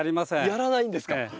やらないんですか！